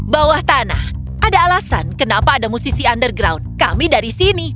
bawah tanah ada alasan kenapa ada musisi underground kami dari sini